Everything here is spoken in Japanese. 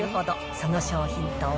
その商品とは。